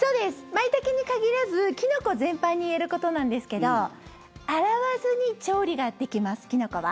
マイタケに限らずキノコ全般に言えることなんですけど洗わずに調理ができますキノコは。